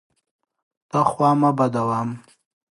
ته خوا مه بدوه!